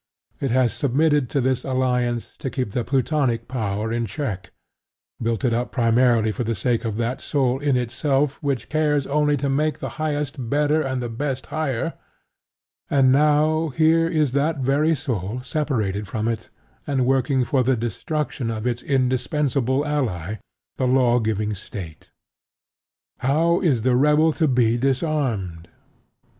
It has submitted to this alliance to keep the Plutonic power in check built it up primarily for the sake of that soul in itself which cares only to make the highest better and the best higher; and now here is that very soul separated from it and working for the destruction of its indispensable ally, the lawgiving State. How is the rebel to be disarmed?